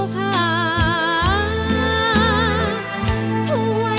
เพลง